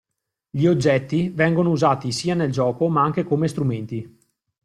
Gli oggetti vengono usati sia nel gioco ma anche come strumenti.